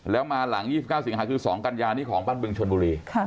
แล้วมาหลัง๒๙สิงหาคือ๒กัญญานี้ของบ้านบึงชนบุรี